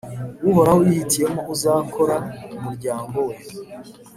Uhoraho yihitiyemo uzarokora umuryango we